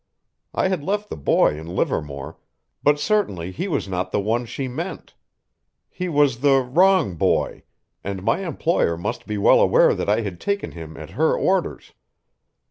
I had left the boy in Livermore, but certainly he was not the one she meant. He was the "wrong boy," and my employer must be well aware that I had taken him at her orders.